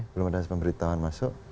belum ada pemberitahuan masuk